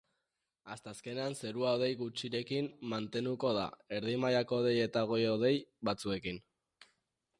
Asteazkenean zerua hodei gutxirekin mantenuko da, erdi mailako hodei eta goi-hodei batzuekin.